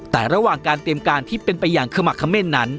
แต่ระหว่างการเตรียมการที่เป็นไปอย่างขมักเม่นนั้น